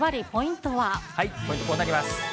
ポイント、こうなります。